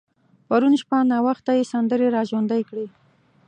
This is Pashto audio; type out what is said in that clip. پرون شپه ناوخته يې سندرې را ژوندۍ کړې.